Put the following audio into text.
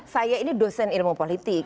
saya ini dosen ilmu politik